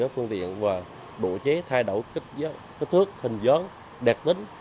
phương tiện và đổi chế thay đổi kích thước hình dõi đẹp tính